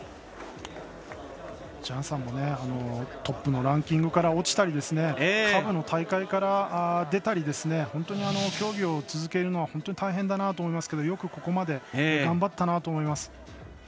ジャンさんもトップのランキングから落ちたり下部の大会から出たりとか本当に競技を続けるのは大変かなと思いますがよくここまで頑張ったなと思います。